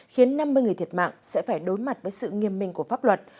khiến năm mươi người thiệt mạng sẽ phải đối mặt với sự nghiêm minh của pháp luật